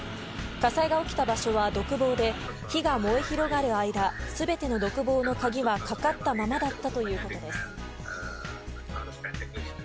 火災が起きた場所は独房で火が燃え広がる間すべての独房の鍵はかかったままだったということです。